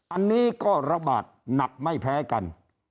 อันนี้ก็ระบาดหนักไม่แพ้กัน